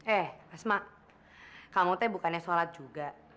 eh asma kamu teh bukannya sholat juga